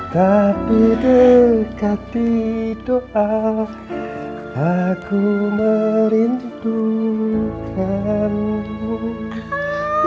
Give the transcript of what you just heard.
tapi dekat di doa aku merindukanmu